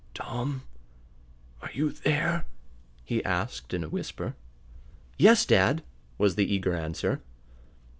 "Tom are you there?" he asked in a whisper. "Yes, dad," was the eager answer.